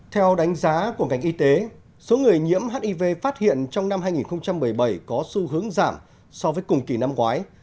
theo đánh giá của ngành y tế số người nhiễm hiv phát hiện trong năm hai nghìn một mươi bảy có xu hướng giảm so với cùng kỳ năm ngoái